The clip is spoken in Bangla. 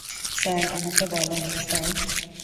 স্যার, আমাকে বলেন, স্যার।